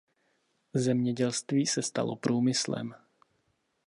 Zemědělství se stalo průmyslem.